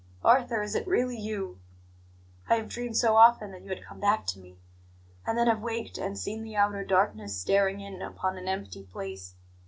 Arthur, is it really you? I have dreamed so often that you had come back to me; and then have waked and seen the outer darkness staring in upon an empty place.